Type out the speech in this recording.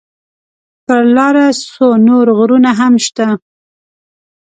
پر لاره څو نور غرونه هم شته.